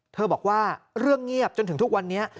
บอกว่าเรื่องเงียบจนถึงทุกวันนี้